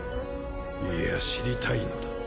いや知りたいのだ。